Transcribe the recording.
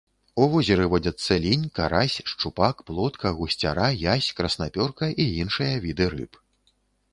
У возеры водзяцца лінь, карась, шчупак, плотка, гусцяра, язь, краснапёрка і іншыя віды рыб.